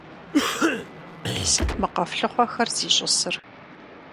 Сыт мы къэфлъыхъуэхэр зищӀысыр?